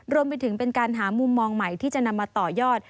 รวมไปถึงเป็นการหามุมมองใหม่ที่จะนำมาต่อยอด